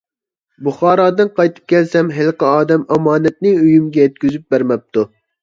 بۇخارادىن قايتىپ كەلسەم، ھېلىقى ئادەم ئامانەتنى ئۆيۈمگە يەتكۈزۈپ بەرمەپتۇ.